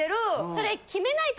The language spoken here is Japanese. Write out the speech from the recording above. それ。